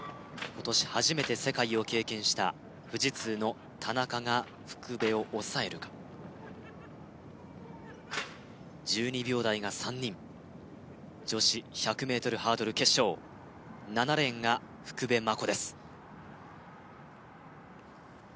今年初めて世界を経験した富士通の田中が福部を抑えるか１２秒台が３人女子１００ｍハードル決勝７レーンが福部真子です